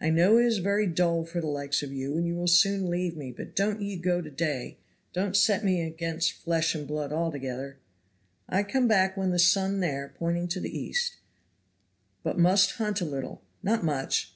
I know it is very dull for the likes of you, and you will soon leave me, but don't ye go to day; don't set me against flesh and blood altogether." "I come back when the sun there," pointing to the east, "but must hunt a little, not much.